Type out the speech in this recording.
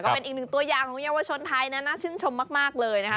เป็นอีกหนึ่งตัวอย่างของเยาวชนไทยนะน่าชื่นชมมากเลยนะคะ